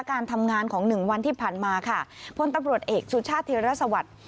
การทำงานของ๑วันที่ผ่านมาค่ะพ่นตำรวจเอกสุชาติธิรัฐสวรรค์